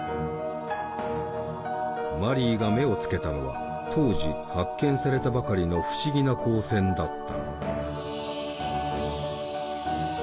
マリーが目をつけたのは当時発見されたばかりの不思議な光線だった。